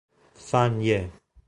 Fan Ye